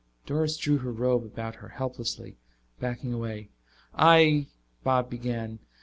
Doris drew her robe about her helplessly, backing away. "I " Bob began.